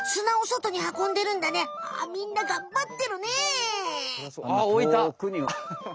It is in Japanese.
あみんながんばってるね！